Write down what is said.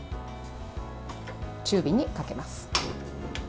中火にかけます。